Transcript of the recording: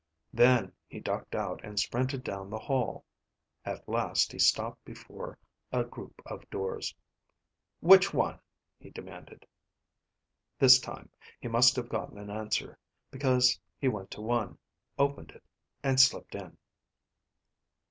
Then he ducked out and sprinted down the hall. At last he stopped before a group of doors. "Which one?" he demanded. This time he must have gotten an answer, because he went to one, opened it, and slipped in.